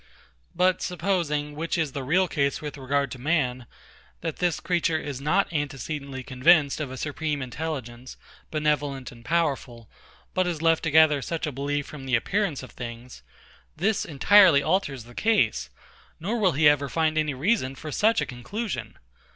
But supposing, which is the real case with regard to man, that this creature is not antecedently convinced of a supreme intelligence, benevolent, and powerful, but is left to gather such a belief from the appearances of things; this entirely alters the case, nor will he ever find any reason for such a conclusion.